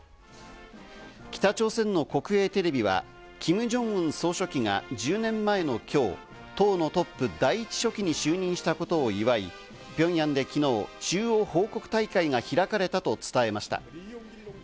北朝鮮の国営テレビはキム・ジョンウン総書記が１０年前の今日、党のトップ、第１書記に就任したことを祝い、ピョンヤンで昨日、中央報告大会が開かれたと伝えました。